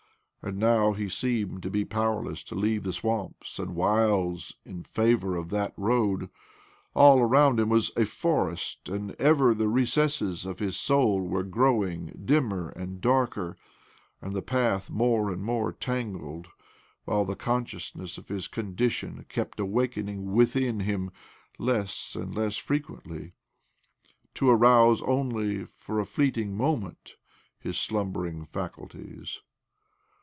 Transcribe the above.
And now he seemed to be powerless to leave the swamps and wilds in favour of that road. All around him was a forest, and ever the recesses of his soul were growing dimmer and darker, and the path more and more tangled, while the consciousness of his con dition kept awaking within him less and less frequently— to arouse only for a fleet ing moment his slumbering faculties.